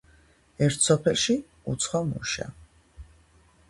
ერთ სოფელში, უცხო მუშა